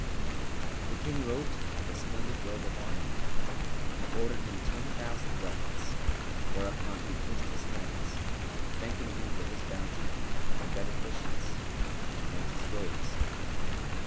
The King robed him with a splendid robe of honour and ordered him ten thousand ducats, whereupon he kissed his hands, thanking him for his bounty and beneficence, and went his ways.